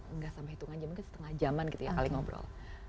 enggak sampai hitungan jam mungkin setengah jaman gitu ya kali ngobrol